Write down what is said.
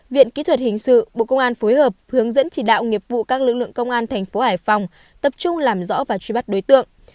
viện kỹ thuật hình sự bộ công an phối hợp hướng dẫn chỉ đạo nghiệp vụ các lực lượng công an thành phố hải phòng tập trung làm rõ và truy bắt đối tượng